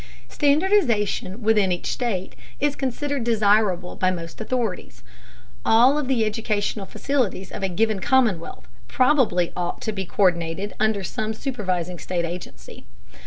Standardization within each state is considered desirable by most authorities. All of the educational facilities of a given commonwealth probably ought to be co÷rdinated under some supervising state agency.